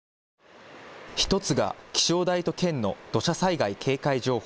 １つが気象台と県の土砂災害警戒情報。